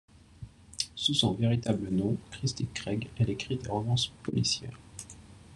Sous son véritable nom, Christie Craig, elle écrit des romances policières.